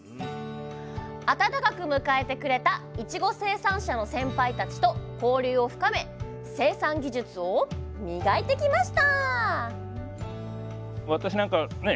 温かく迎えてくれたいちご生産者の先輩たちと交流を深め生産技術を磨いてきました